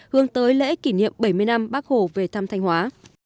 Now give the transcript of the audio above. hướng tới lễ kỷ niệm bảy mươi năm bắc hồ về thăm thanh hóa